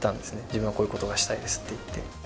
自分はこういう事がしたいですって言って。